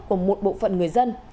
của một bộ phận người dân